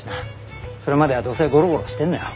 それまではどうせゴロゴロしてんのよ。